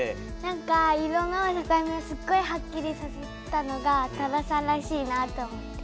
色の境目をすっごいはっきりさせたのが多田さんらしいなと思って。